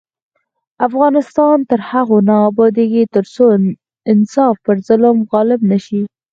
افغانستان تر هغو نه ابادیږي، ترڅو انصاف پر ظلم غالب نشي.